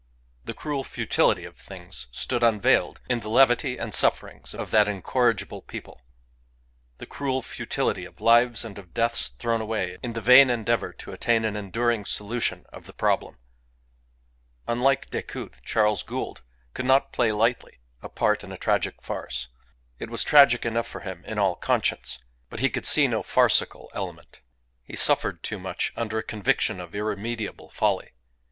The cruel futility of things stood unveiled in the levity and sufferings of that incorrigible people; the cruel futility of lives and of deaths thrown away in the vain endeavour to attain an enduring solution of the problem. Unlike Decoud, Charles Gould could not play lightly a part in a tragic farce. It was tragic enough for him in all conscience, but he could see no farcical element. He suffered too much under a conviction of irremediable folly.